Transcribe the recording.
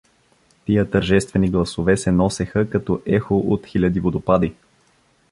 Тия тържествени гласове се носеха като ехо от хиляди водопади.